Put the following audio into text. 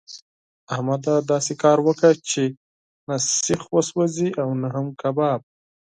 احمده! داسې کار وکړه چې نه سيخ وسوځي او نه هم کباب.